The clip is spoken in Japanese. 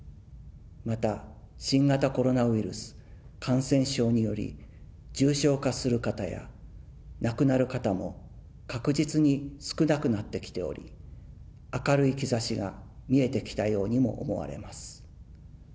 また、新型コロナウイルス感染症により、重症化する方や亡くなる方も確実に少なくなってきており、明るい兆しが見えてきたようにも思われます。